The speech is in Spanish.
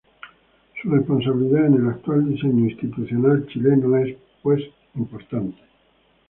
Su responsabilidad en el actual diseño institucional chileno es, pues, importante.